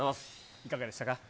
いかがでしたか？